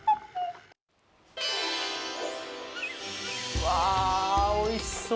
うわ、おいしそう。